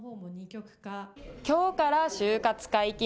きょうから就活解禁。